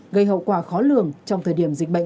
gây hậu quả khó lường trong thời điểm dịch bệnh